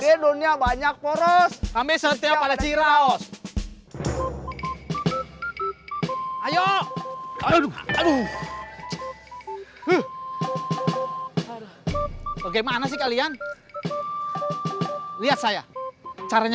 di dunia banyak poros kami setiap ada jiraos ayo aduh aduh ke mana sih kalian lihat saya caranya